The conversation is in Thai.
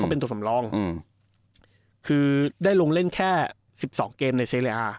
เป็นตัวสำรองอืมคือได้ลงเล่นแค่สิบสองเกมในเซเลอา